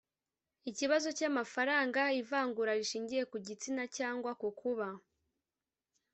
ikibazo cy amafaranga ivangura rishingiye ku gitsina cyangwa ku kuba